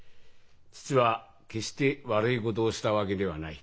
父は決して悪いことをしたわけではない」。